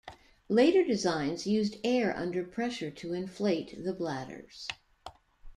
Later designs used air under pressure to inflate the bladders.